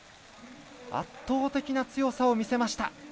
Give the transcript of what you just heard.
圧倒的な強さを見せました。